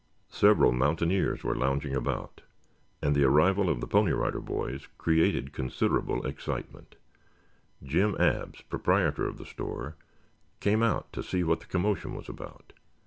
Several mountaineers were lounging about, and the arrival of the Pony Rider Boys created considerable excitement. Jim Abs, proprietor of the store, came out to see what the commotion was about.